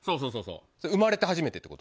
生まれて初めてってこと？